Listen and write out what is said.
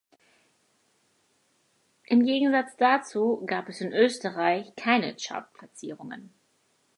Im Gegensatz dazu gab es in Österreich keine Chartplatzierungen.